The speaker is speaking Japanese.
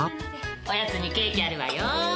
おやつにケーキあるわよ。